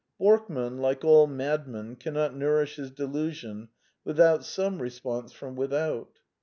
Borkman, like all madmen, cannot nourish his delusion without some response from without.